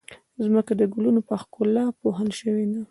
ځمکه د ګلونو په ښکلا پوښل شوې ده.